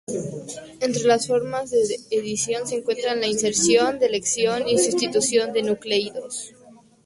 Entre las formas de edición se encuentran la inserción, deleción y sustitución de nucleótidos.